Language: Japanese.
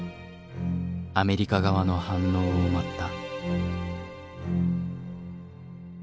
アメリカ側の反応を待った。